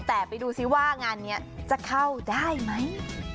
แต่ไปดูซิว่างานนี้จะเข้าได้ไหม